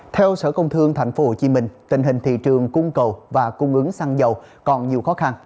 theo sở công thương tp hcm tình hình thị trường cung cầu và cung ứng xăng dầu còn nhiều khó khăn